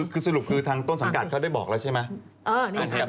คือสรุปคือทางต้นสังกัดเขาได้บอกแล้วใช่ไหม